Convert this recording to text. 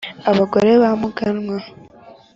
abagore ba muganwa,